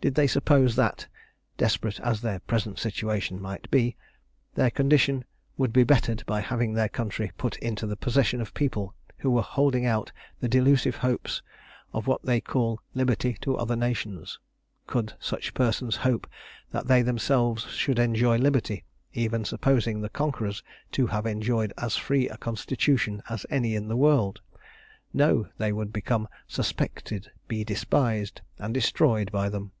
Did they suppose that (desperate as their present situation might be) their condition would be bettered by having their country put into the possession of people who were holding out the delusive hopes of what they call liberty to other nations? Could such persons hope that they themselves should enjoy liberty, even supposing the conquerors to have enjoyed as free a constitution as any in the world? No; they would become suspected, be despised, and destroyed by them.